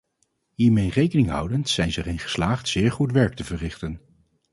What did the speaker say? Hiermee rekening houdend zijn ze erin geslaagd zeer goed werk te verrichten.